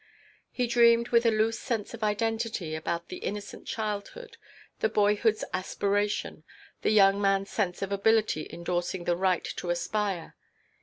He dreamed, with a loose sense of identity, about the innocent childhood, the boyhoodʼs aspiration, the young manʼs sense of ability endorsing the right to aspire.